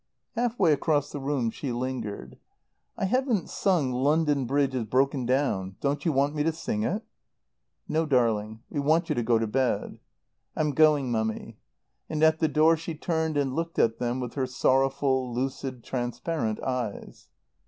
Half way across the room she lingered. "I haven't sung 'London Bridge is broken down.' Don't you want me to sing it?" "No, darling. We want you to go to bed." "I'm going, Mummy." And at the door she turned and looked at them with her sorrowful, lucid, transparent eyes.